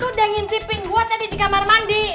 lu udah ngintipin gue tadi di kamar mandi